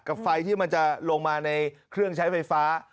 ไฟที่มันจะลงมาในเครื่องใช้ไฟฟ้า